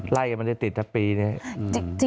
ไล่กันมันจะติดแต่ปีนี้